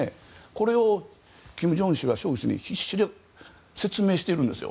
これを金正恩氏がショイグ氏に必死に説明しているんですよ。